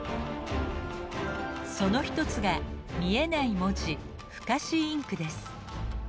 その一つが見えない文字「不可視インク」です。